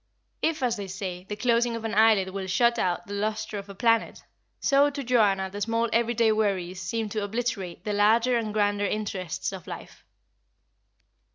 If, as they say, the closing of an eyelid will shut out the lustre of a planet, so, to Joanna, the small everyday worries seemed to obliterate the larger and grander interests of life.